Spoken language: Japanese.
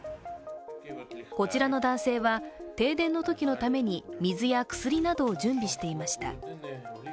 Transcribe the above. こちらの男性は停電のときのために水や薬などを準備していました。